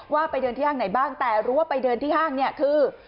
ไปเดินที่ห้างไหนบ้างแต่รู้ว่าไปเดินที่ห้างเนี่ยคือ